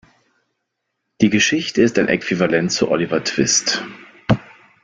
Die Geschichte ist ein Äquivalent zu "Oliver Twist".